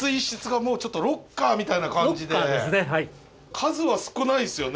数は少ないですよね。